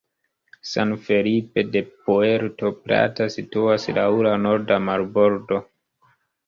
San Felipe de Puerto Plata situas laŭ la norda marbordo.